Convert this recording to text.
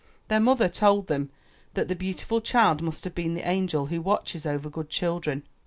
Their mother told them that the beautiful child must have been the angel who watches over good children.